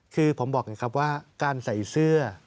คือผมบอกไงครับว่าการใส่เสื้อ